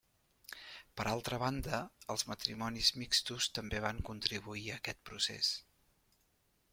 Per altra banda, els matrimonis mixtos també van contribuir a aquest procés.